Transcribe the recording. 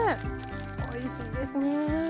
おいしいですね。